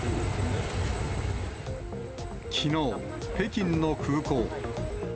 きのう、北京の空港。